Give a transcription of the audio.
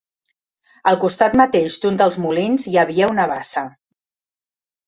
Al costat mateix d'un dels molins hi havia una bassa.